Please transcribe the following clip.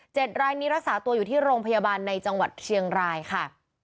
รายนี้รักษาตัวอยู่ที่โรงพยาบาลในจังหวัดเชียงรายค่ะ